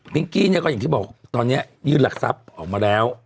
งกี้เนี่ยก็อย่างที่บอกตอนนี้ยื่นหลักทรัพย์ออกมาแล้ว